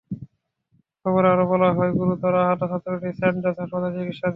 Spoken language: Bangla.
খবরে আরও বলা হয়, গুরুতর আহত ছাত্রটি সেন্ট জর্জ হাসপাতালে চিকিৎসাধীন।